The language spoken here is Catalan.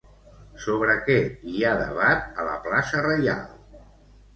Sobre què hi ha debat a la Plaça Reial?